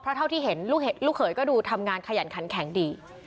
เท่าที่เห็นลูกเขยก็ดูทำงานขยันขันแข็งดี